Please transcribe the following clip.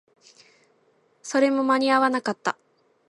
それも間に合わなかった